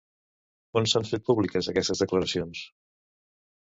On s'han fet públiques aquestes declaracions?